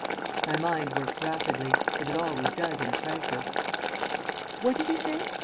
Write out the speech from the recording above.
My mind worked rapidly, as it always does in a crisis. "What did you say?"